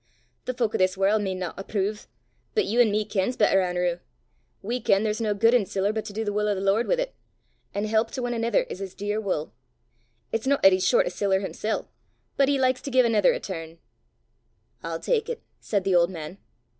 The fowk o' this warl' michtna appruv, but you an' me kens better, An'rew. We ken there's nae guid in siller but do the wull o' the Lord wi' 't an' help to ane anither is his dear wull. It's no 'at he's short o' siller himsel', but he likes to gie anither a turn!" "I'll tak it," said the old man.